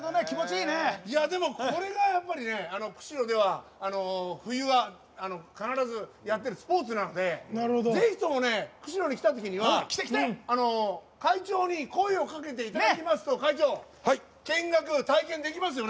これが釧路では冬は必ずやってるスポーツなんでぜひとも、釧路に来たときには会長に声をかけていただきますと見学、体験できますよね。